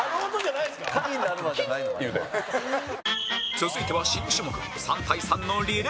続いては新種目